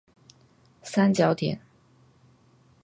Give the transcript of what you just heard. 三角点。